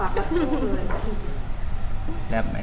บางคนมองว่าเขาแรบมาก